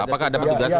apakah ada petugasnya